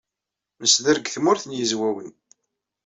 Nesder deg Tmurt n Yizwawen.